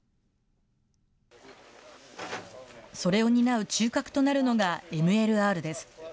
それを担う中核となるのがＭＬＲです。